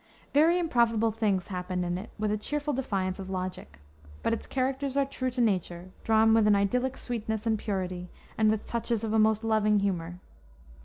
Very improbable things happened in it with a cheerful defiance of logic. But its characters are true to nature, drawn with an idyllic sweetness and purity, and with touches of a most loving humor.